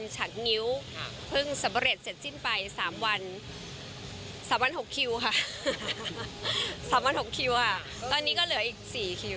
สามวัน๖คิวค่ะตอนนี้ก็เหลืออีก๔คิว